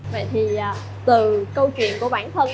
vậy thì từ câu chuyện của bản thân